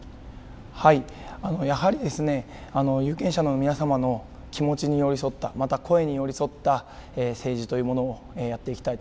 やはり有権者の皆様の気持ちに寄り添った、また声に寄り添った政治というものをやっていきたい